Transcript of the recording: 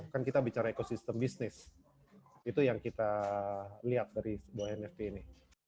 kan kita bicara ekosistem bisnis itu yang kita lihat dari sebuah nft ini